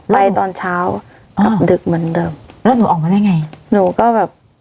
ตอนเช้ากลับดึกเหมือนเดิมแล้วหนูออกมาได้ไงหนูก็แบบ